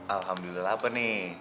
alhamdulillah apa nih